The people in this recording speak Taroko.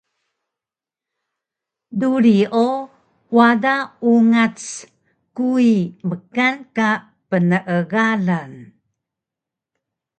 duri o wada ungac kuwi mkan ka pnegalang